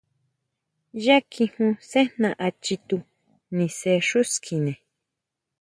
Yá kijun sejna á chitú, nise xú skine.